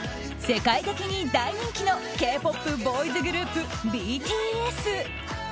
世界的に大人気のＫ‐ＰＯＰボーイズグループＢＴＳ。